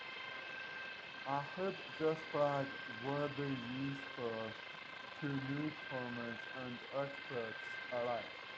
I hope this blog will be useful to newcomers and experts alike.